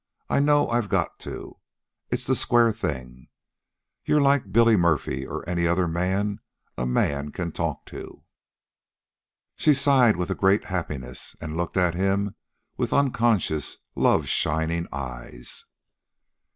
I know I've got to. It's the square thing. You're like Billy Murphy, or any other man a man can talk to." She sighed with a great happiness, and looked at him with unconscious, love shining eyes.